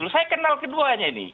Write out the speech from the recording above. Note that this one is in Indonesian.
saya kenal keduanya nih